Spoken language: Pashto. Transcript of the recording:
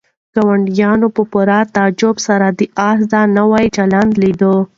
ګاونډیانو په پوره تعجب سره د آس دا نوی چلند لیده.